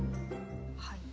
はい。